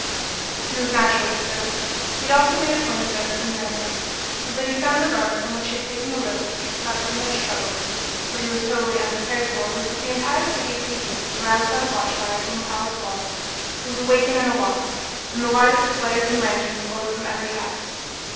He was naturally observant; he had also made a point of noticing landmarks, so that he found the garden from which he had taken the rosebush without too much trouble. What he was totally unprepared for was that the entire city of Peking, aroused by the watchfires on the palace walls, was awake and in alarm, and the light of flares and lanterns glowed from every house.